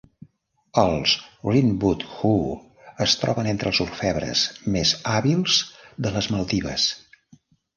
Els rinbudhoo es troben entre els orfebres més hàbils de les Maldives.